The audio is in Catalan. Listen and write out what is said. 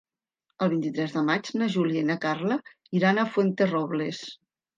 El vint-i-tres de maig na Júlia i na Carla iran a Fuenterrobles.